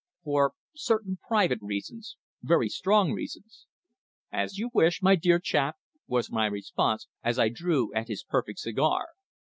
"For certain private reasons very strong reasons." "As you wish, my dear chap," was my response, as I drew at his perfect cigar.